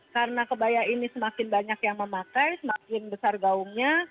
karena kebaya ini semakin banyak yang memakai semakin besar gaungnya